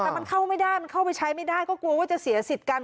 แต่มันเข้าไม่ได้มันเข้าไปใช้ไม่ได้ก็กลัวว่าจะเสียสิทธิ์กัน